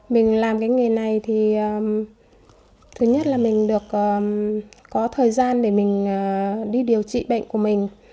mình làm cái nghề này thì thứ nhất là mình được có thời gian để mình đi điều trị bệnh của mình